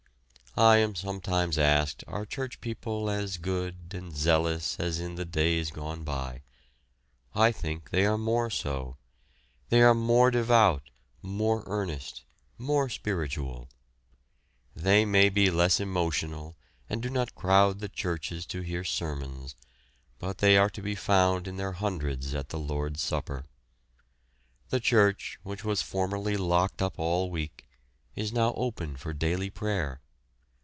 I am sometimes asked are church people as good and zealous as in the days gone by. I think they are more so. They are more devout, more earnest, more spiritual. They may be less emotional and do not crowd the churches to hear sermons, but they are to be found in their hundreds at the Lord's Supper. The church, which was formerly locked up all week, is now open for daily prayer.